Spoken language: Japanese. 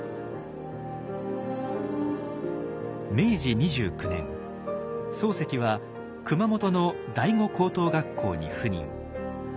明治２９年漱石は熊本の第五高等学校に赴任。